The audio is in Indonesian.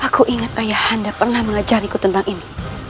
aku ingat ayah anda pernah mengajariku tentang ini